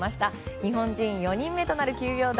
日本人４人目となる９秒台。